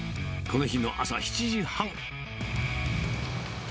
この日の朝７時半。